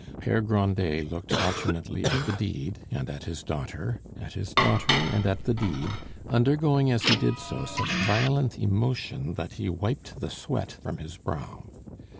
Pere Grandet looked alternately at the deed and at his daughter, at his daughter and at the deed, undergoing as he did so such violent emotion that he wiped the sweat from his brow.